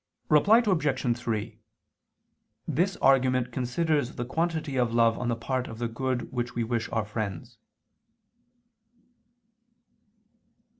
Reply Obj. 3: This argument considers the quantity of love on the part of the good which we wish our friends.